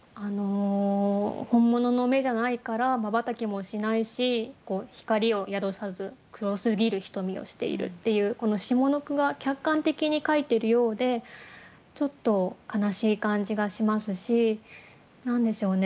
本物の目じゃないから瞬きもしないし光を宿さず黒すぎる瞳をしているっていうこの下の句が客観的に書いてるようでちょっと悲しい感じがしますし何でしょうね